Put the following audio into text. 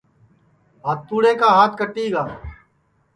ٻھاتوڑے کا ہات کٹی گا ہے